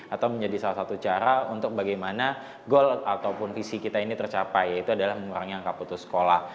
atau menjadi salah satu cara untuk bagaimana goal ataupun visi kita ini tercapai yaitu adalah mengurangi angka putus sekolah